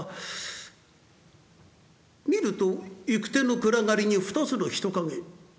見ると行く手の暗がりに２つの人影。